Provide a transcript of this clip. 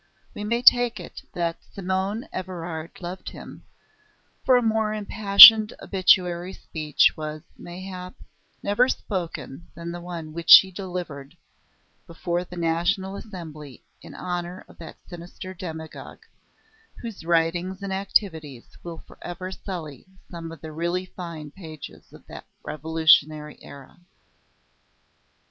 We may take it that Simonne Evrard loved him, for a more impassioned obituary speech was, mayhap, never spoken than the one which she delivered before the National Assembly in honour of that sinister demagogue, whose writings and activities will for ever sully some of the really fine pages of that revolutionary era.